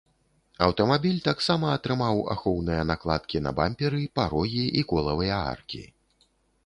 Аўтамабіль таксама атрымаў ахоўныя накладкі на бамперы, парогі і колавыя аркі.